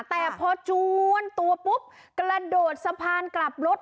แต่พอจวนตัวปุ๊บกระโดดสะพานกลับรถ